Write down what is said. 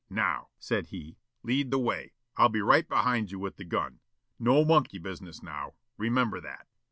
"Now," said he, "lead the way. I'll be right behind you with the gun. No monkey business, now, remember that."